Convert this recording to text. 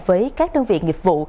với các đơn vị nghiệp vụ